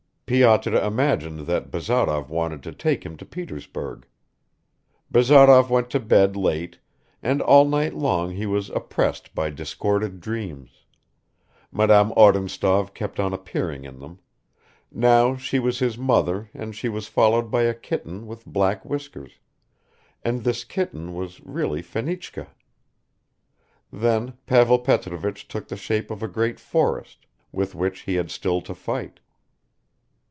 Pyotr imagined that Bazarov wanted to take him to Petersburg. Bazarov went to bed late, and all night long he was oppressed by disordered dreams ... Madame Odintsov kept on appearing in them; now she was his mother and she was followed by a kitten with black whiskers, and this kitten was really Fenichka; then Pavel Petrovich took the shape of a great forest, with which he had still to fight.